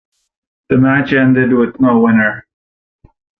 The match ended with no winner.